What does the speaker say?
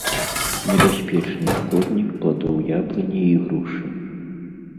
Небяспечны шкоднік пладоў яблыні і грушы.